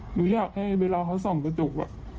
หนูอยากให้เวลาเขาส่องกระจก